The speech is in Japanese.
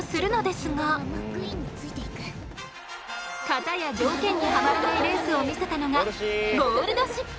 型や条件にハマらないレースを見せたのがゴルシ！